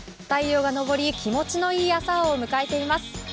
太陽が昇り、気持ちのいい朝を迎えています。